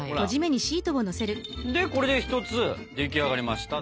でこれで１つ出来上がりましたと。